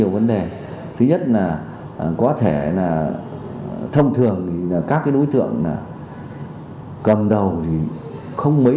số lượng ma túy lớn từ hàng chục cho đến hàng trăm đối tượng liên quan đến tội phạm ma túy